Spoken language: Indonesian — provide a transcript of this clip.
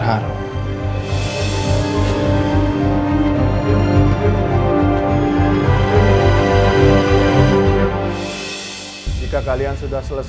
kalo kamu gara dua selalu dipercaya dengan p lars